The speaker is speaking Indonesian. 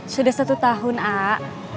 sudah satu tahun a a